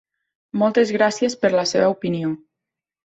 Moltes gràcies per la seva opinió.